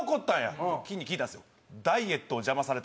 ってきんに聞いたんですよ。